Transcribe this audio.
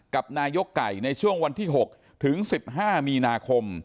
กับนายกไก่ในช่วงวันที่๖ถึง๑๕มีนาคม